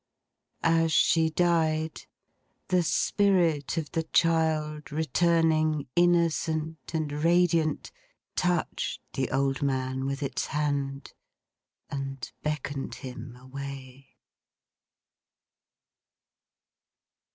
As she died, the Spirit of the child returning, innocent and radiant, touched the old man with its hand, and beckoned him away.